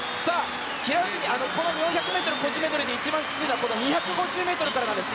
この４００ｍ個人メドレーで一番きついのはこの２５０ｍからなんです。